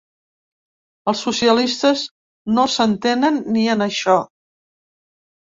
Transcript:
El socialistes no s’entenen ni en això.